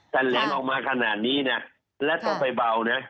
แต่แหลมออกมาขนาดนี้นะและต้องไปเบานะ